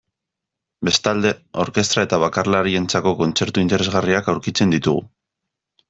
Bestalde, orkestra eta bakarlarientzako kontzertu interesgarriak aurkitzen ditugu.